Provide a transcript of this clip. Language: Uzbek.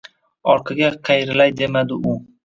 Orqaga qayrilay demadi u.